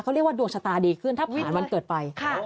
เขาเรียกว่าดวงชะตาดีขึ้นถ้าผ่านวันเกิดไป